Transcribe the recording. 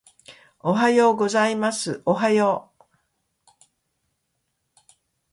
おはようございますおはよう